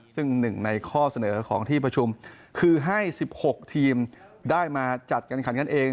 ซึ่งหนึ่งในข้อเสนอของที่ประชุมคือให้๑๖ทีมได้มาจัดการขันกันเอง